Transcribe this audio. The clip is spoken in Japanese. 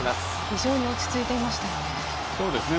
非常に落ち着いていましたよね。